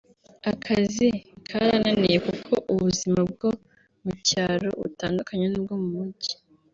akazi karananiye kuko ubuzima bwo mu cyaro butandukanye n’ubwo mu mujyi